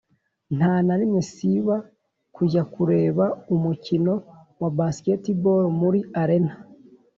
ntanarimwe siba kujya kureba umukino wa basketball muri arena